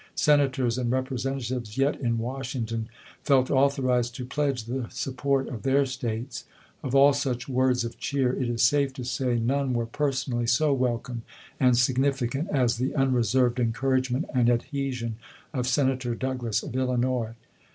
Senators and Representatives yet in Washington felt authorized to pledge the support of their States. Of all such words of cheer, it is 80 ABKAHAM LINCOLN CHAP. IV, safe to say none were personally so welcome and significant as the unreserved encouragement and adhesion of Senator Douglas of Illinois.